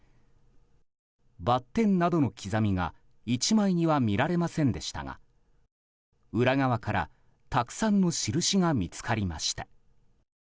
バッテンなどの刻みが１枚には見られませんでしたが裏側から、たくさんの印が見つかりました。